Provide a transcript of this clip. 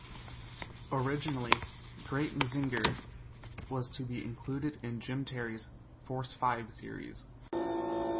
Originally, "Great Mazinger" was to be included in Jim Terry's "Force Five" series.